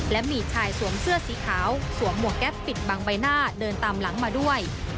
และมีชายสวมเสื้อสีขาวสวมหมวกแก๊ปปิดบังใบหน้าเดินตามหลังมาด้วย